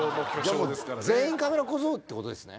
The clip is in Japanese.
もう全員カメラ小僧ってことですね